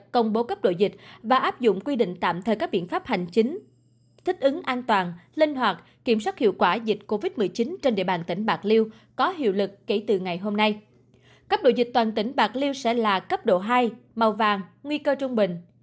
cấp độ dịch toàn tỉnh bạc liêu sẽ là cấp độ hai màu vàng nguy cơ trung bình